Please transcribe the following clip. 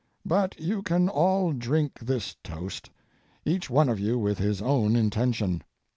But you can all drink this toast, each one of you with his own intention.